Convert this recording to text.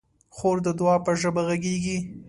خور د دعا په ژبه غږېږي.